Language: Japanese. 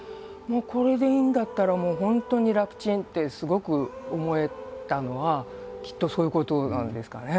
もうこれでいいんだったら本当に楽ちん」ってすごく思えたのはきっとそういうことなんですかね。